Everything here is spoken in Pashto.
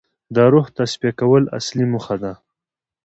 د روح تصفیه کول اصلي موخه ده.